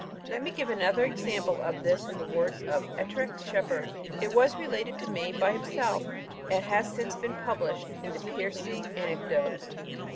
Let me give another instance of this in the words of the Ettrick Shepherd. It was related to me by himself, and has since been published in the "Percy Anecdotes."